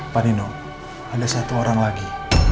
pak nino ada satu orang lagi